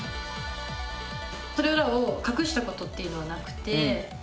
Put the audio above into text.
それらを隠したことっていうのはなくて。